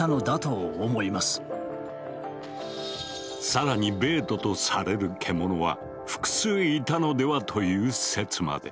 更にベートとされる獣は複数いたのでは？という説まで。